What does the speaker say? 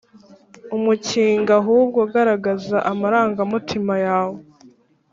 umukinga ahubwo garagaza amarangamutima yawe